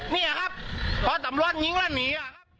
นี่ครับพอตำรวจยิงแล้วหนี